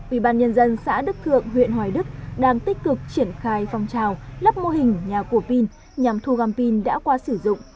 ủy ban nhân dân xã đức thượng huyện hoài đức đang tích cực triển khai phong trào lắp mô hình nhà của pin nhằm thu gom pin đã qua sử dụng